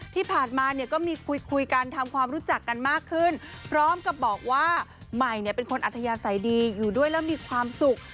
ที่ผ่านมาเนี่ยก็มีคุยกันทำความรู้จักกันมากขึ้นพร้อมกับบอกว่าใหม่เนี่ยเป็นคนอัธยาศัยดีอยู่ด้วยแล้วมีความสุข